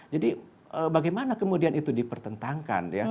jadi bagaimana kemudian itu dipertentangkan